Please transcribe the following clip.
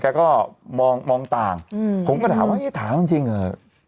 แกก็มองมองต่างอืมผมก็ถามเอ้ยถามจริงจริง